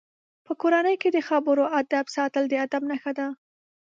په کورنۍ کې د خبرو آدب ساتل د ادب نښه ده.